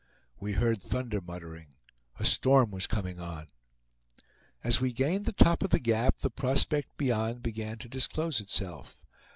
We heard thunder muttering; a storm was coming on. As we gained the top of the gap, the prospect beyond began to disclose itself.